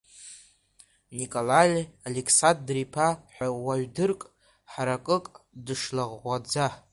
Николаи Алексадр-иԥа ҳәа уаҩ дырк, ҳаракык, дышлаӷәаӷәаӡа.